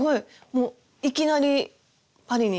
もういきなりパリに？